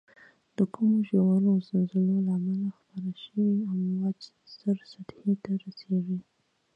د کمو ژورو زلزلو له امله خپاره شوی امواج زر سطحې ته رسیږي.